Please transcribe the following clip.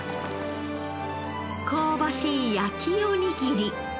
香ばしい焼きおにぎり。